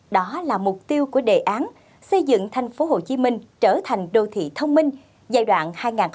đó là mục tiêu của đề án xây dựng thành phố hồ chí minh trở thành đô thị thông minh giai đoạn hai nghìn một mươi bảy hai nghìn hai mươi